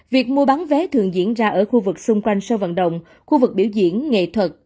việc mua bán vé thường diễn ra ở khu vực xung quanh sân vận động khu vực biểu diễn nghệ thuật